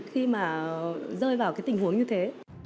khi mà rơi vào cái tình huống như thế